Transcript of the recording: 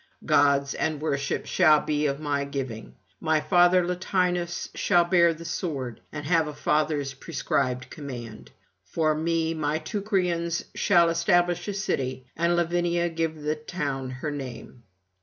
Gods [192 225]and worship shall be of my giving: my father Latinus shall bear the sword, and have a father's prescribed command. For me my Teucrians shall establish a city, and Lavinia give the town her name.'